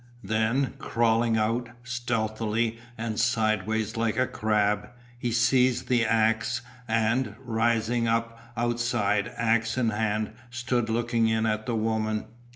Then, crawling out, stealthily and side ways like a crab, he seized the axe and, rising up outside, axe in hand, stood looking in at the woman.